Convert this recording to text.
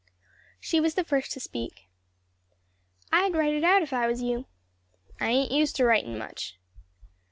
She was the first to speak. "I'd write it out if I was you." "I ain't used to writin' much."